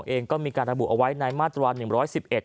เองก็มีการระบุเอาไว้ในมาตรวรรค์๑๑๑